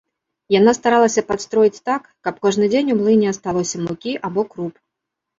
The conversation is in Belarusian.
Яна старалася падстроіць так, каб кожны дзень у млыне асталося мукі або круп.